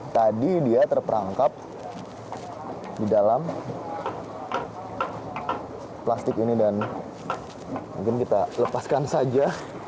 tadi dia terperangkap di dalam plastik ini dan mungkin kita lepaskan saja